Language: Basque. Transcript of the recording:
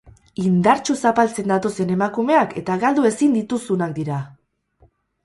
Indartsu zapaltzen datozen emakumeak eta galdu ezin dituzunak dira!